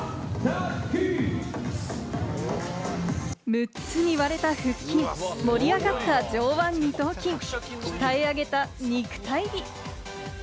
６つに割れた腹筋、盛り上がった上腕二頭筋、鍛え上げた肉体美。